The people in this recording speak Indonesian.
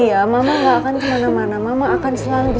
iya mama nggak akan kemana mana mama akan selalu di sebelah kamu kok